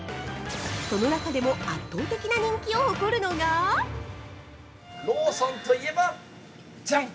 その中でも圧倒的な人気を誇るのが◆ローソンといえばジャン！